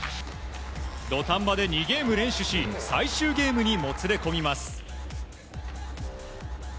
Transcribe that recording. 土壇場で２ゲーム連取し最終ゲームにもつれ込みます。